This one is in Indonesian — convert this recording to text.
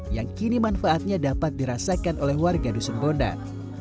yang kini manfaatnya dapat dirasakan oleh warga dusun bondan